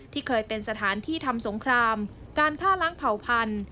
เคยเป็นสถานที่ทำสงครามการฆ่าล้างเผ่าพันธุ